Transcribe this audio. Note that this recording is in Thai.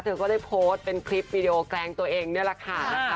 เธอก็ได้โพสต์เป็นคลิปวีดีโอแกลงตัวเองนี่แหละค่ะนะคะ